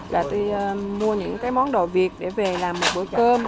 là tôi mua những món đồ việt để về làm một bữa cơm